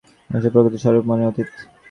মানুষের প্রকৃত স্বরূপ মনেরও অতীত।